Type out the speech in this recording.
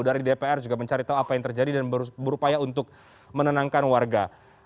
dari dpr juga mencari tahu apa yang terjadi dan berupaya untuk menenangkan warga